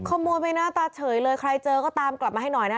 ขโมยไปหน้าตาเฉยเลยใครเจอก็ตามกลับมาให้หน่อยนะ